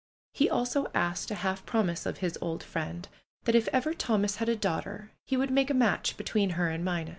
He also asked a half promise of his old friend — that if ever Thomas had a daughter, he would make a match between her and Minot.